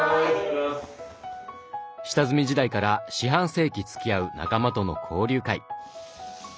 下積み時代から四半世紀つきあう仲間との交流会。